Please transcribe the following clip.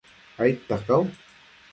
aidta cau